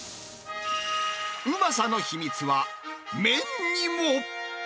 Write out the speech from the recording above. うまさの秘密は麺にも。